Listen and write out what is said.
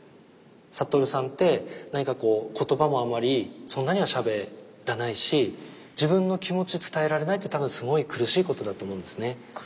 覚さんって何かこう言葉もあまりそんなにはしゃべらないし自分の気持ち伝えられないって多分すごい苦しいことだと思うんですね。